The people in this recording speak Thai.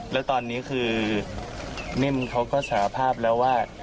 แล้วตอนนี้คือนิ่มเขาก็สารภาพแล้วว่า